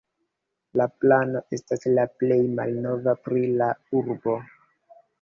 La plano estas la plej malnova pri la urbo.